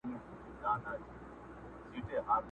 په كوڅو كي يې زموږ پلونه بېګانه دي!.